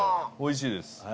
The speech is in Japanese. おいしいです。